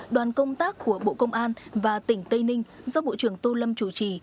đoàn công tác của bộ công an và tỉnh tây ninh do bộ trưởng tô lâm chủ trì